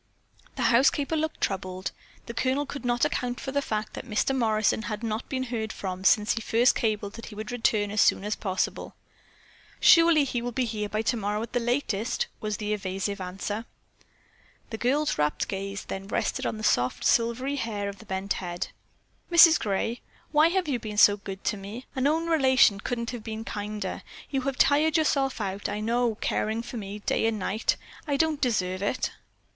The housekeeper looked troubled. The Colonel could not account for the fact that Mr. Morrison had not been heard from since he first cabled that he would return as soon as possible. "Surely he will be here tomorrow by the latest," was the evasive answer. The girl's gaze then rested on the soft, silvery hair of the bent head. "Mrs. Gray, why have you been so good to me? An own relation couldn't have been kinder. You have tired yourself all out, I know, caring for me day and night. I don't deserve it."